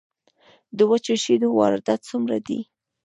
د وچو شیدو واردات څومره دي؟